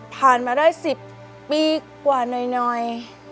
ผ่านมาได้๑๐ปีกว่าหน่อย